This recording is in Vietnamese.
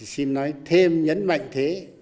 xin nói thêm nhấn mạnh thế